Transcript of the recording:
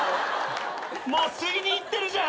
もう吸いにいってるじゃん。